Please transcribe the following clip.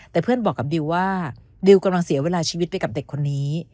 แต่เพื่อนบอกกับดิวว่าดิวกำลังเสียเวลาชีวิตไปกับเด็กคนนี้